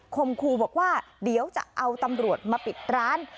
คมครูบอกว่าเดี๋ยวจะเอาตำรวจมาปิดร้าน